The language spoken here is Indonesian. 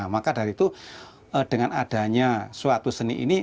maka dari itu dengan adanya suatu seni ini